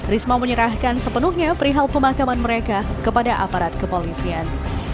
risma menyerahkan sepenuhnya perihal pemakaman mereka kepada aparat kepolisian